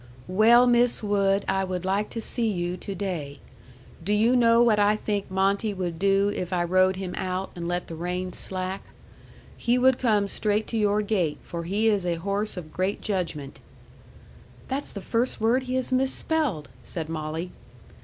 Well Miss Wood I would like to see you to day. Do you know what I think Monte would do if I rode him out and let the rein slack? He would come straight to your gate for he is a horse of great judgement. ("That's the first word he has misspelled," said Molly.)